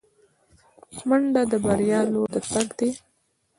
منډه د بریا لور ته تګ دی